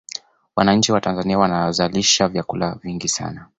wananchi wa tanzania wanazalisha vyakula vingi sana